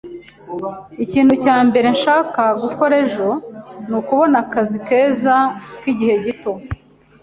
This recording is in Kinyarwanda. Ikintu cya mbere nshaka gukora ejo ni ukubona akazi keza k'igihe gito.